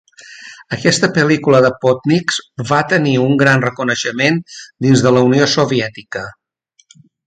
Aquesta pel·lícula de Podnieks va tenir un gran reconeixement dins de la Unió Soviètica.